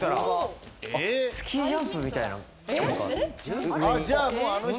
スキージャンプみたいな？